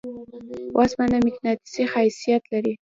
اوسپنه مقناطیسي خاصیت لري.